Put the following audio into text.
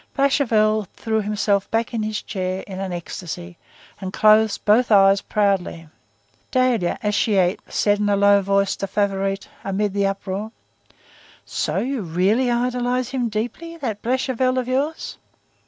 Blachevelle threw himself back in his chair, in an ecstasy, and closed both eyes proudly. Dahlia, as she ate, said in a low voice to Favourite, amid the uproar:— "So you really idolize him deeply, that Blachevelle of yours?"